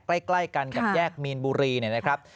ใกล้กันกับแยกมีนบุรีเนี่ยนะครับ